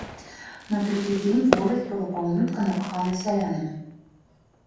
На другі дзень воласць была паўнютка напхана сялянамі.